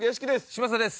嶋佐です。